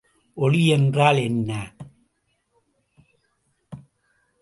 ஒளி என்றால் என்ன?